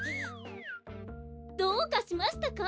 どうかしましたか？